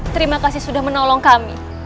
terima kasih sudah menolong kami